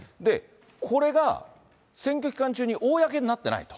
これが選挙期間中に公になっていないと。